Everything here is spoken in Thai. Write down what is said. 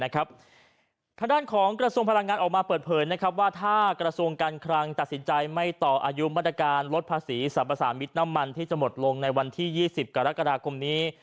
ทางด้านของกระทรวงพลังงานออกมาเปิดเผยว่าถ้ากระทรวงการคลังตัดสินใจไม่ต่ออายุมาตรการลดภาษีสรรพสามิตรน้ำมันที่จะหมดลงในวันที่๒๐กรกฎาคมนี้